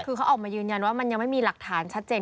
คือเขาออกมายืนยันว่ามันยังไม่มีหลักฐานชัดเจน